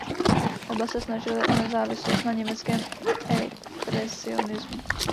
Oba se snažili o nezávislost na německém expresionismu.